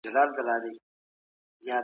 زما نوم ښکلی دئ.